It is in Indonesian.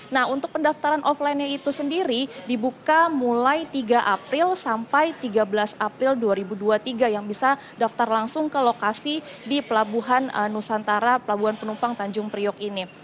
nah untuk pendaftaran offline nya itu sendiri dibuka mulai tiga april sampai tiga belas april dua ribu dua puluh tiga yang bisa daftar langsung ke lokasi di pelabuhan nusantara pelabuhan penumpang tanjung priok ini